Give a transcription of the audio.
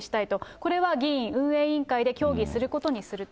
これは議院運営委員会で協議することにすると。